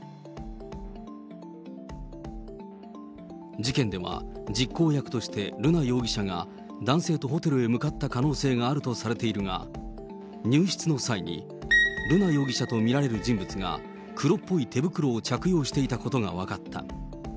事件では、実行役として瑠奈容疑者が、男性とホテルへ向かった可能性があるとされているが、入室の際に、瑠奈容疑者と見られる人物が、黒っぽい手袋を着用していたことが分かった。